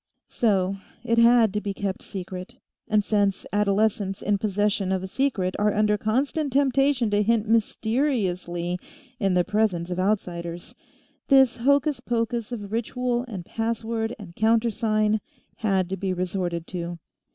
So it had to be kept secret, and since adolescents in possession of a secret are under constant temptation to hint mysteriously in the presence of outsiders, this hocus pocus of ritual and password and countersign had to be resorted to.